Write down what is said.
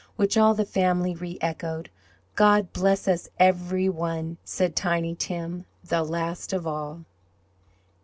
Which all the family reechoed. "God bless us every one!" said Tiny Tim, the last of all.